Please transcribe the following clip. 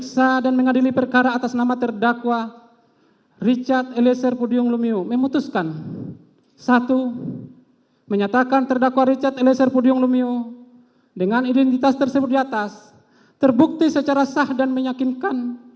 satu menyatakan terdakwa richard eliezer pudiong lumio dengan identitas tersebut di atas terbukti secara sah dan menyakinkan